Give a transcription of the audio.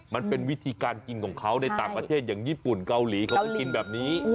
มันเป็นวิธีการกินของเขาในต่างประเทศอย่างญี่ปุ่นเกาหลี